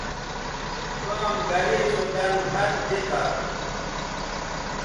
کام گرے سو دَن ہَت دی تا